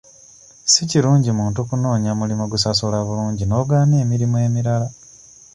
Si kirungi muntu kunoonya mulimu gusasula bulungi n'ogaana emirimu emirala.